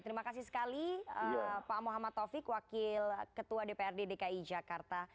terima kasih sekali pak muhammad taufik wakil ketua dprd dki jakarta